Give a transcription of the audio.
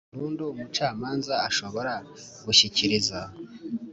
Burundu Umucamanza Ashobora Gushyikiriza